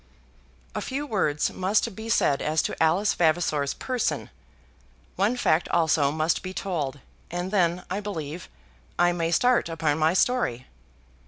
A few words must be said as to Alice Vavasor's person; one fact also must be told, and then, I believe, I may start upon my story.